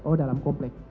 oh dalam komplek